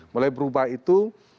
mulai berubah itu